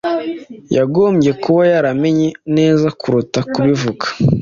Yagombye kuba yaramenye neza kuruta kubivuga.